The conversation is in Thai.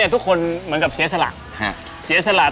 ทุกคนเหมือนกับเศรษฐรา